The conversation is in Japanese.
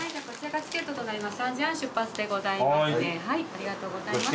ありがとうございます。